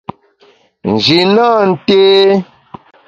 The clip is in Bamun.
Nji nâ nté.